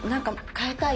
変えたい！